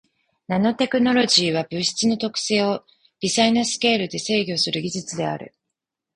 ナノテクノロジーは物質の特性を微細なスケールで制御する技術である。